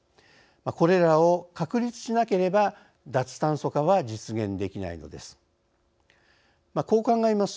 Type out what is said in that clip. これらを確立しなければ脱炭素化は実現できないのです。